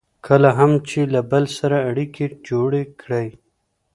کله هم چې له بل سره اړیکې جوړې کړئ.